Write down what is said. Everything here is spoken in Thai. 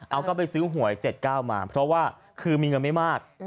เอาก็ไปซื้อหวย๗๙มาเพราะว่าคือมีเงินไม่มาก